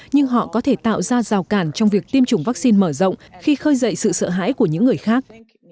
nhưng họ có thể tạo ra rào cản trong việc tiêm chủng vaccine mở rộng khi khơi dậy sự sợ hãi của những người khác